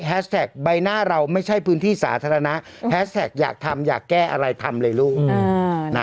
ใบหน้าเราไม่ใช่พื้นที่สาธารณะแฮสแท็กอยากทำอยากแก้อะไรทำเลยลูก